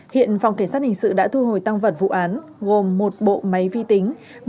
hiện phòng cảnh sát hình sự đã thu hồi tăng vật vụ án gồm một bộ máy vi tính